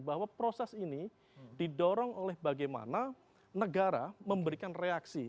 bahwa proses ini didorong oleh bagaimana negara memberikan reaksi